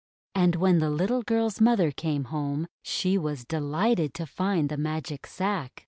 And when the little girl's mother came home, she was delighted to find the Magic Sack.